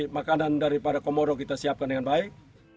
makanan daripada komodo kita siapkan dengan baik